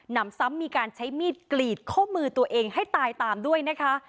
นำซ้ำมีการใช้มีดกรีดข้อมือตัวเองให้ตายตามด้วยนะคะ